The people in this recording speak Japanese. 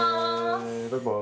バイバイ。